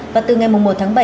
và từ ngày một tháng bảy